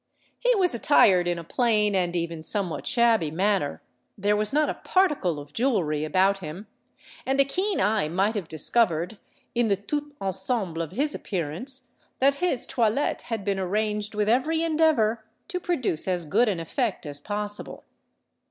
He was attired in a plain, and even somewhat shabby manner: there was not a particle of jewellery about him; and a keen eye might have discovered, in the tout ensemble of his appearance, that his toilette had been arranged with every endeavour to produce as good an effect as possible.